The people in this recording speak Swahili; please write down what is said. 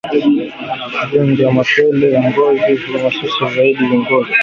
Ugonjwa wa mapele ya ngozi hushambulia zaidi ngombe